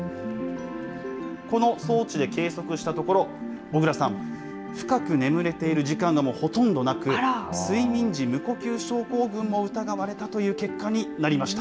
この装置で計測したところ、小倉さん、深く眠れている時間がもうほとんどなく、睡眠時無呼吸症候群も疑われたという結果になりました。